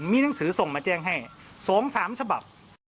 มีหนังสือส่งมาแจ้งให้๒๓ฉบับ